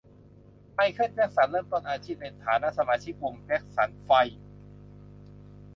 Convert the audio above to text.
ไมเคิล แจ็คสัน เริ่มต้นอาชีพ ในฐานะสมาชิกวงแจ็คสันไฟว์